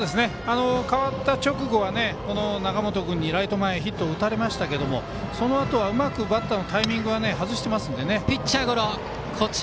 代わった直後は永本君にライト前ヒットを打たれましたがそのあとはうまくバッターのタイミングを外しているので。